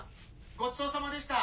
ごちそうさまでした。